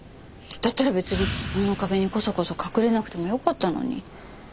だったら別に物陰にコソコソ隠れなくてもよかったのに。